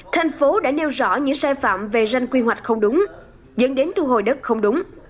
thành phố đã nêu rõ những sai phạm về ranh quy hoạch không đúng dẫn đến thu hồi đất không đúng